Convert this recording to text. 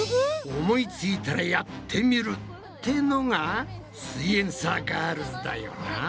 思いついたらやってみる！ってのがすイエんサーガールズだよな。